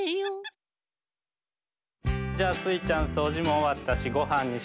じゃあスイちゃんそうじもおわったしごはんにしましょうか。